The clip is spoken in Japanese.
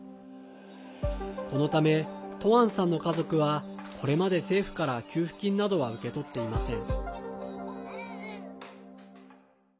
このため、トアンさんの家族はこれまで政府から給付金などは受け取っていません。